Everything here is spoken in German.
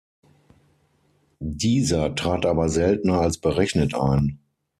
Dieser trat aber seltener als berechnet ein.